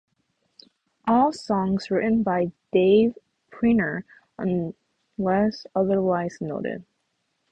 All songs written by Dave Pirner unless otherwise noted.